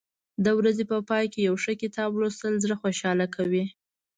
د ورځې په پای کې یو ښه کتاب لوستل زړه خوشحاله کوي.